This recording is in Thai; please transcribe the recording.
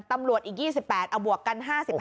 ตำรวจอีก๒๘เอาบวกกัน๕๕